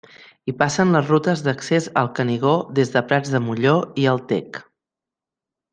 Hi passen les rutes d'accés al Canigó des de Prats de Molló i el Tec.